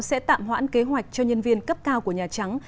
sẽ tạm hoãn kế hoạch cho nhân viên cấp cao của nhà trắng